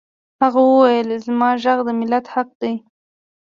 هغه وویل زما غږ د ملت حق دی